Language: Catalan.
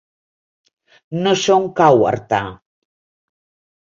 No sé on cau Artà.